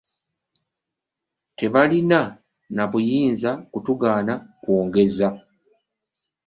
Tebalina na buyinza kutugaana kwongeza.